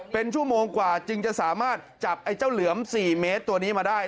เป็นชั่วโมงกว่าจึงจะสามารถจับไอ้เจ้าเหลือม๔เมตรตัวนี้มาได้